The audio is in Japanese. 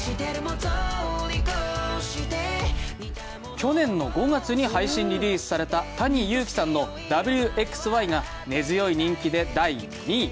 去年５月に配信リリースされたＴａｎｉＹｕｕｋｉさんの「Ｗ／Ｘ／Ｙ」が根強い人気で第２位。